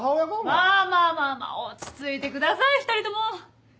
まぁまぁまぁまぁ落ち着いてください２人とも。